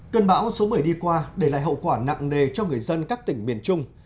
cơn bão số một mươi đi qua để lại hậu quả nặng nề cho người dân các tỉnh miền trung